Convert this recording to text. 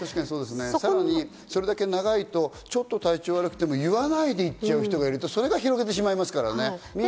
さらに、それだけ長いとちょっと体調悪くても言わないで行っちゃう人がいると、それが広げてしまいますからね。